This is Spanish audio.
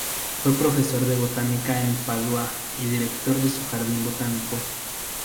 Fue profesor de Botánica en Padua, y director de su Jardín botánico.